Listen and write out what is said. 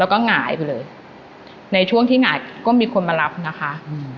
แล้วก็หงายไปเลยในช่วงที่หงายก็มีคนมารับนะคะอืม